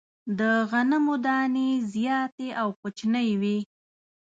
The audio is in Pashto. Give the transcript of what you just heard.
د غنمو دانې زیاتي او کوچنۍ وې.